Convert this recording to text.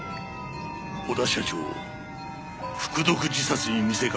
小田社長を服毒自殺に見せかけて殺したな。